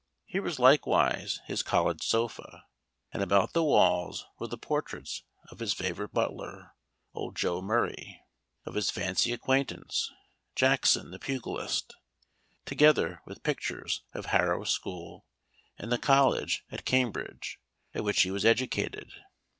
Here was likewise his college sofa; and about the walls were the portraits of his favorite butler, old Joe Murray, of his fancy acquaintance, Jackson the pugilist, together with pictures of Harrow School and the College at Cambridge, at which he was educated.